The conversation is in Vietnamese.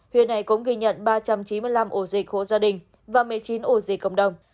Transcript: huyện này cũng ghi nhận ba trăm chín mươi năm ổ dịch hộ gia đình và một mươi chín ổ dịch cộng đồng